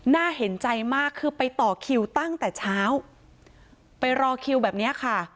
น่าเห็นใจมากคือไปต่อคิวตั้งแต่เช้าไปรอคิวแบบเนี้ยค่ะ